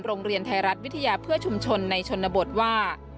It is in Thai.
โรงเรียนไทยรัฐวิทยาเพื่อชุมชนในชนบทว่า